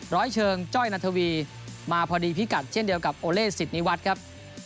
ร้อยเชิงจ้อยนัทวีมาพอดีพิกัดเช่นเดียวกับโอเลสิตนิวัตรครับ